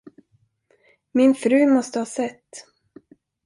Min fru måste ha sett.